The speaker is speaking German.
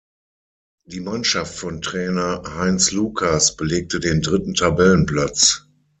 Die Mannschaft von Trainer Heinz Lucas belegte den dritten Tabellenplatz.